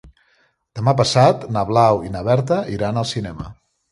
Demà passat na Blau i na Berta iran al cinema.